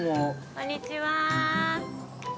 こんにちは。